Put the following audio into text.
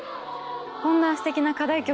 こんなすてきな課題曲